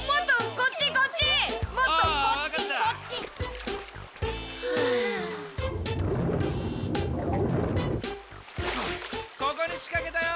ここにしかけたよ！